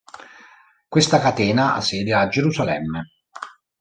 Questa catena ha sede a Gerusalemme.